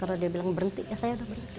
karena dia bilang berhenti ya saya udah berhenti